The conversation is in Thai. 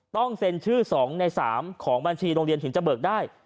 ต้องเซ็นชื่อสองในสามของบัญชีโรงเรียนสิ่งจเบิร์กได้